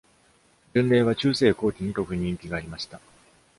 巡礼は中世後期に特に人気がありました。